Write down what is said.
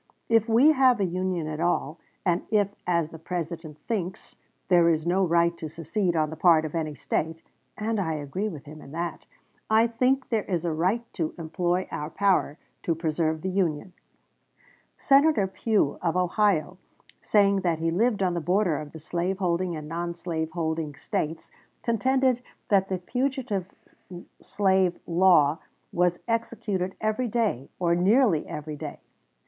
If we have a Union at all, and if, as the President thinks, there is no right to secede on the part of any State (and I agree with him in that), I think there is a right to employ our power to preserve the Union." Ibid., Dec. 11, 1860, pp. 51, 52. Senator Pugh, of Ohio, saying that he lived on the border of the slave holding and non slave holding States, contended that the fugitive slave law was executed every day, or nearly every day.